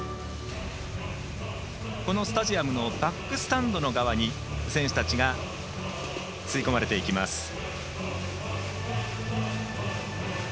このスタジアムのバックスタンド側に選手たちが吸い込まれていきます。